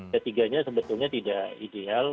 ketiganya sebetulnya tidak ideal